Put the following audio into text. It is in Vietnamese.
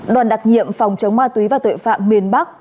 đoàn đặc nhiệm phòng chống ma túy và tội phạm miền bắc